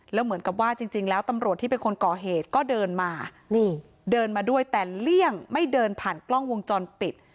แล้วเหมือนกับว่าจริงแล้วตำรวจที่เป็นคนก่อเหตุก็เดินมานี่เดินมาด้วยแต่เลี่ยงไม่เดินผ่านกล้องวงจรปิด